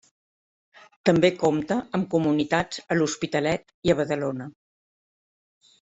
També compta amb comunitats a l'Hospitalet i a Badalona.